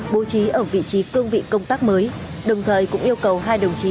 bố trí ở vị trí cương vị công tác mới đồng thời cũng yêu cầu hai đồng chí